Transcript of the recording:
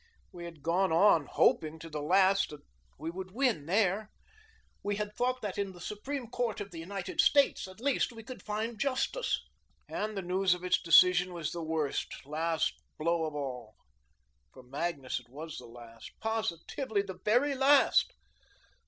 We had gone on hoping to the last that we would win there. We had thought that in the Supreme Court of the United States, at least, we could find justice. And the news of its decision was the worst, last blow of all. For Magnus it was the last positively the very last."